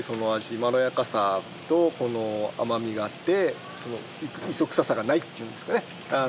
まろやかさとこの甘みがあって磯臭さがないっていうんですかね